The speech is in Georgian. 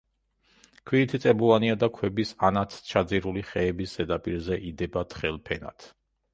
ქვირითი წებოვანია და ქვების, ანაც ჩაძირული ხეების ზედაპირზე იდება თხელ ფენად.